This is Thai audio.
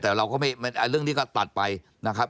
แต่เราก็ไม่เรื่องนี้ก็ตัดไปนะครับ